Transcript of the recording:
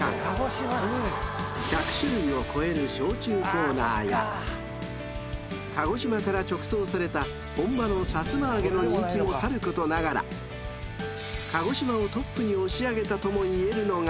［１００種類を超える焼酎コーナーや鹿児島から直送された本場のさつま揚げの人気もさることながら鹿児島をトップに押し上げたともいえるのが］